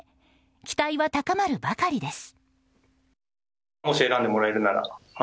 期待は高まるばかりです。